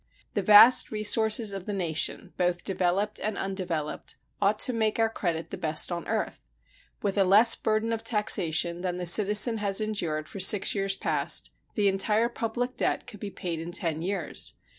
The vast resources of the nation, both developed and undeveloped, ought to make our credit the best on earth. With a less burden of taxation than the citizen has endured for six years past, the entire public debt could be paid in ten years.